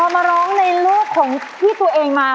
พอมาร้องไปในลูกของที่ตัวเองมา